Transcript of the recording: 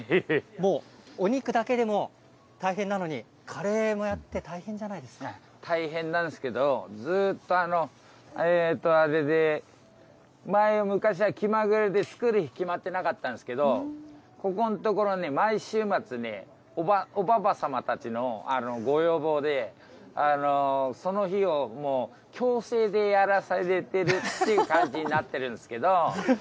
もうお肉だけでも大変なのに、カレーもやって大変じゃないです大変なんですけど、ずっとあれで、昔は気まぐれで、作る日、決まってなかったんですけど、ここんところ毎週末ね、おばば様たちのご要望で、その日をもう、強制でやらされてるって感じになってるんですけど。